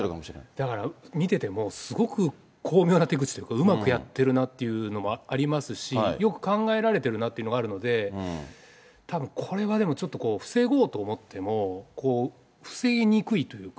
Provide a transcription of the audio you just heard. だから見てても、すごく巧妙な手口というか、うまくやっているなというのもありますし、よく考えられてるなっていうのがあるので、たぶん、これまでもちょっと防ごうと思っても、防ぎにくいというか。